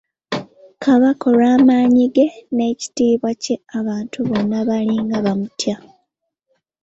Kabaka olw’amaanyi ge n’ekitiibwa kye, abantu bonna baalinga bamutya.